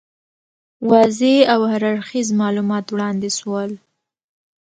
واضح او هر اړخیز معلومات وړاندي سول.